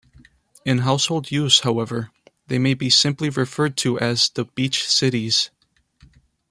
In household use, however, they may be simply referred to as the beach cities.